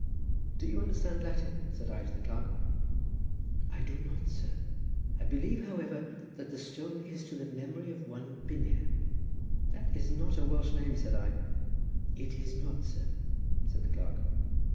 "Do you understand Latin?" said I to the clerk. "I do not, sir; I believe, however, that the stone is to the memory of one Bynner." "That is not a Welsh name," said I. "It is not, sir," said the clerk.